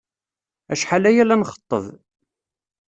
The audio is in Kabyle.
Acḥal aya la nxeṭṭeb.